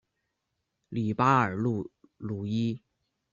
里巴尔鲁伊。